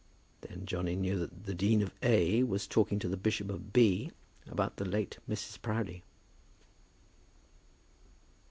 Then Johnny knew that the Dean of A. was talking to the Bishop of B. about the late Mrs. Proudie.